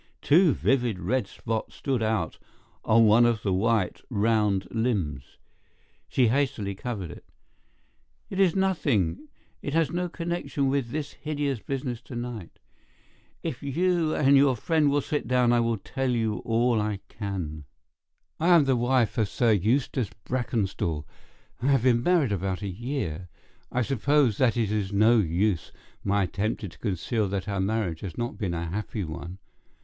Two vivid red spots stood out on one of the white, round limbs. She hastily covered it. "It is nothing. It has no connection with this hideous business to night. If you and your friend will sit down, I will tell you all I can. "I am the wife of Sir Eustace Brackenstall. I have been married about a year. I suppose that it is no use my attempting to conceal that our marriage has not been a happy one.